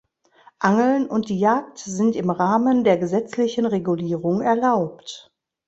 Angeln und die Jagd sind im Rahmen der gesetzlichen Regulierung erlaubt.